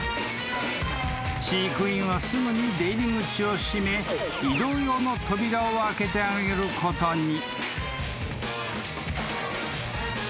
［飼育員はすぐに出入り口を閉め移動用の扉を開けてあげることに］